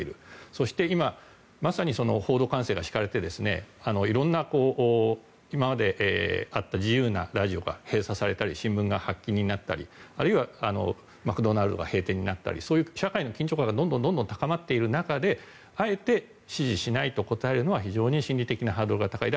そして、今まさに報道管制が敷かれて色んな今まであった自由なラジオが閉鎖されたり新聞が廃刊になったりマクドナルドが閉店になったり社会的な緊張が高まっている中であえて支持しないと答えるのは非常に心理的なハードルが高い。